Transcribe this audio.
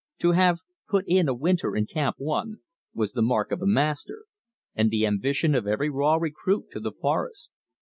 To have "put in" a winter in Camp One was the mark of a master; and the ambition of every raw recruit to the forest.